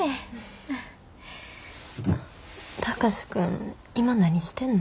貴司君今何してんの？